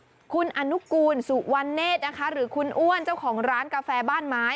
คุณอนุกูลสุวรรณเนธนะคะหรือคุณอ้วนเจ้าของร้านกาแฟบ้านไม้